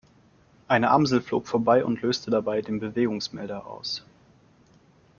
Eine Amsel flog vorbei und löste dabei den Bewegungsmelder aus.